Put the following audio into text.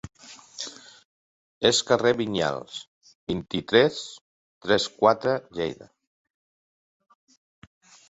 És carrer Vinyals, vint-i-tres, tres-quatre, Lleida.